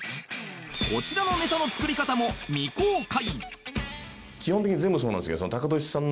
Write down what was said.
こちらのネタの作り方も未公開